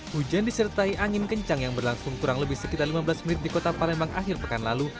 hujan disertai angin kencang yang berlangsung kurang lebih sekitar lima belas menit di kota palembang akhir pekan lalu